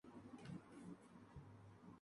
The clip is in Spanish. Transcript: Es un sulfuro de plata y hierro.